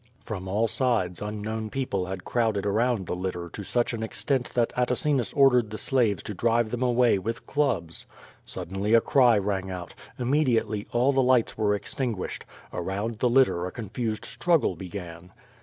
From all sides unknown people had crowded around the QUO VADIS. 87 litter to such an extent that Atacinus ordered the slaves to drive them away with clubs. Suddenly, a cry rang out. Immediately all the lights were extinguished. Around the litter a confused struggle began.